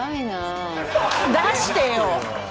出してよ！